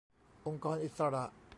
องค์กรอิสระ